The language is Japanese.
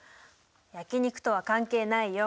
焼き肉とは関係ないよ。